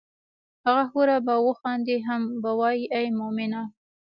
هغه حوره به وخاندي هم به وائي ای مومنه!